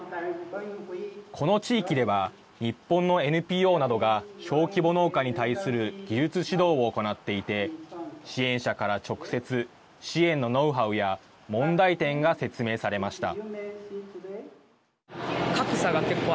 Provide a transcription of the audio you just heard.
この地域では日本のＮＰＯなどが小規模農家に対する技術指導を行っていて支援者から直接支援のノウハウや問題点が説明されました。